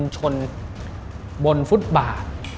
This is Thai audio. ชนบนฟุตบาท